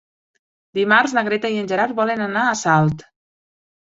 Dimarts na Greta i en Gerard volen anar a Salt.